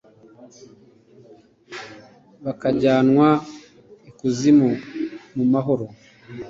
bakajyanwa ikuzimu mu mahoro